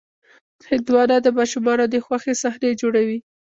هندوانه د ماشومانو د خوښې صحنې جوړوي.